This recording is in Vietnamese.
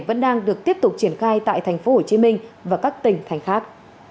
vẫn đang được tiếp tục triển khai tại tp hcm và các tỉnh thành khác